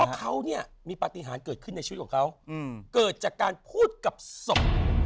เขาเนี่ยมีปฏิหารเกิดขึ้นในชีวิตของเขาเกิดจากการพูดกับศพ